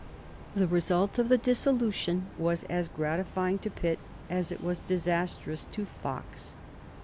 The result of the dissolution was as gratifying to Pitt as it was disastrous to Fox.